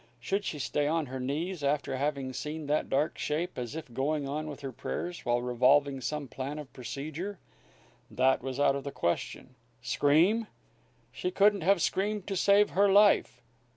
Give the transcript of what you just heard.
Should she stay on her knees after having seen that dark shape, as if going on with her prayers, while revolving some plan of procedure? That was out of the question. Scream? She couldn't have screamed to save her life.